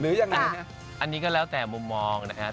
หรือยังไงอันนี้ก็แล้วแต่มุมมองนะครับ